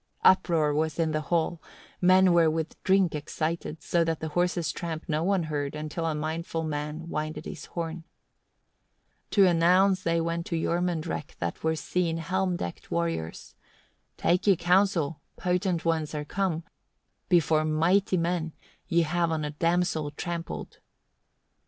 19. Uproar was in the hall, men were with drink excited, so that the horses' tramp no one heard, until a mindful man winded his horn. 20. To announce they went to Jormunrek that were seen helm decked warriors. "Take ye counsel, potent ones are come; before mighty men ye have on a damsel trampled."